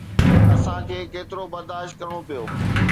اسان کي ڪيترو برداشت ڪرڻو پيو.